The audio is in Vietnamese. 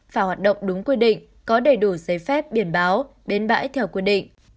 phải hoạt động đúng quy định có đầy đủ giấy phép biển báo bến bãi theo quy định